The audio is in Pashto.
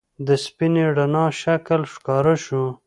د سپینې رڼا شکل ښکاره شو.